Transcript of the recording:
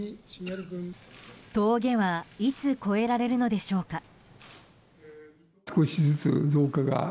峠はいつ越えられるのでしょうか。